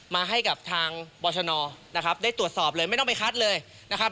มาให้กับทางบรชนนะครับได้ตรวจสอบเลยไม่ต้องไปคัดเลยนะครับ